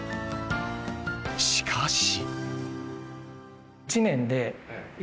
しかし。